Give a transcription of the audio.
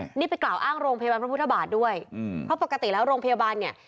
นี่ก็เป็นกล่าวอ้างโรงพยาบาลพทธบาทด้วยเพราะปกติแล้วโรงพยาบาลเนี่ย